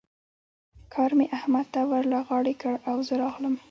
کار مې احمد ته ور له غاړې کړ او زه راغلم.